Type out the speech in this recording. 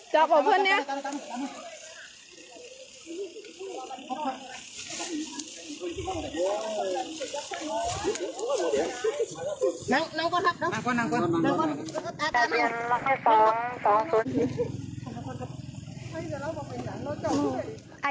โชคดาวต่ออยู่ที